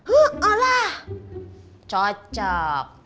oh lah cocok